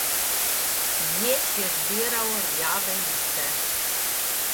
Jež je zbiral rjave liste.